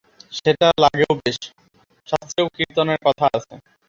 সেটা লাগেও বেশ, শাস্ত্রেও কীর্তনের কথা আছে।